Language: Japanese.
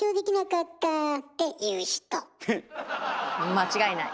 間違いない！